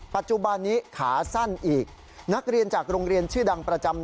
ปัจจุบันนี้ขาสั้นอีกนักเรียนจากโรงเรียนชื่อดังประจำ